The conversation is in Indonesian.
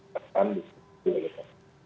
pesan di dlt